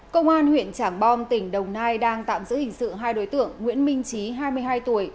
công an huyện trảng bom tỉnh đồng nai đang tạm giữ hình sự hai đối tượng nguyễn minh trí hai mươi hai tuổi